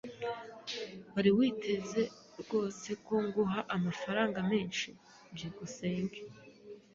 Wari witeze rwose ko nguha amafaranga menshi? byukusenge